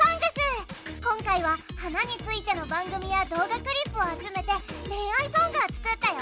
今回は花についての番組や動画クリップを集めて恋愛ソングを作ったよ。